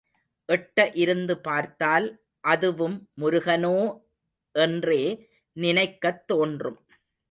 எட்ட இருந்து பார்த்தால் அதுவும் முருகனோ என்றே நினைக்கத் தோன்றும்.